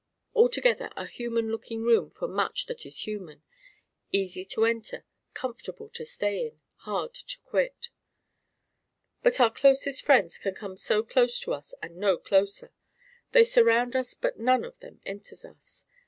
Altogether a human looking room for much that is human; easy to enter, comfortable to stay in, hard to quit. But our closest friends can come so close to us and no closer; they surround us but none of them enters us.